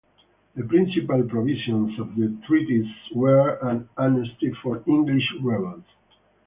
The principal provisions of the treaties were an amnesty for English rebels.